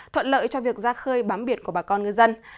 thuận lợi cho việc ra khơi bám biệt của bà con ngư dân